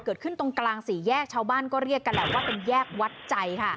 เกิดขึ้นตรงกลางสี่แยกชาวบ้านก็เรียกกันแหละว่าเป็นแยกวัดใจค่ะ